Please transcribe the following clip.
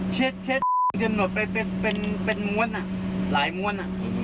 เช็ดเธอจนจำหนดไปเป็นม้วนหลายม้วน